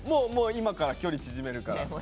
もう今から距離縮めるから。